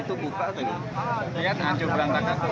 itu buka atau tidak